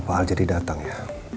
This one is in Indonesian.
apa aja didatang ya